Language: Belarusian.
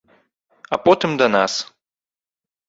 А потым да нас.